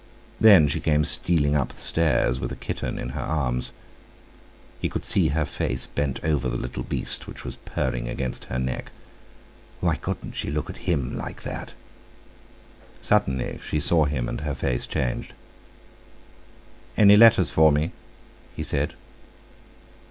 Then she came stealing up the stairs, with a kitten in her arms. He could see her face bent over the little beast, which was purring against her neck. Why couldn't she look at him like that? Suddenly she saw him, and her face changed. "Any letters for me?" he said.